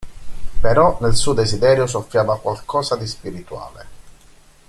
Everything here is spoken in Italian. Però nel suo desiderio soffiava qualche cosa di spirituale.